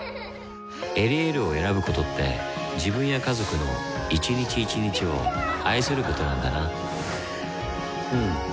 「エリエール」を選ぶことって自分や家族の一日一日を愛することなんだなうん。